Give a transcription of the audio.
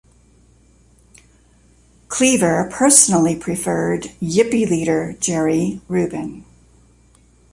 Cleaver personally preferred Yippie leader Jerry Rubin.